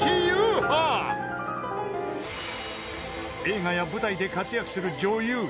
［映画や舞台で活躍する女優］